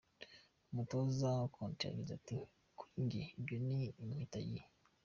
Umutoza Conte yagize ati: "Kuri jye, ibyo ni impitagihe".